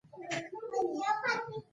هره ورځ ګرځم